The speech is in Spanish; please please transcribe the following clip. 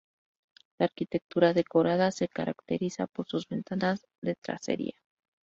La arquitectura decorada se caracteriza por sus ventanas de tracería.